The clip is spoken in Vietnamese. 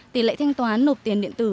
tỷ lệ thanh toán nộp tiền điện tử